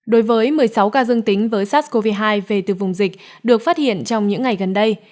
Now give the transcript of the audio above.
đối với một mươi sáu ca dương tính với sars cov hai về từ vùng dịch được phát hiện trong những ngày gần đây